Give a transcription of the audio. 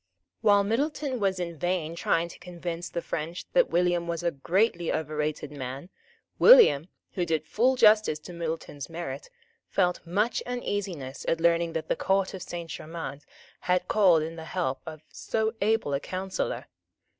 While Middleton was in vain trying to convince the French that William was a greatly overrated man, William, who did full justice to Middleton's merit, felt much uneasiness at learning that the Court of Saint Germains had called in the help of so able a counsellor.